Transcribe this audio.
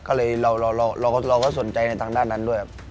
ก็เลยเราก็สนใจในทางด้านนั้นด้วยครับ